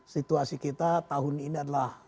situasi kita tahun ini adalah